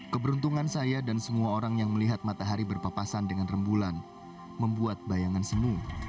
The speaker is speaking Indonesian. keberuntungan saya dan semua orang yang melihat matahari berpapasan dengan rembulan membuat bayangan semu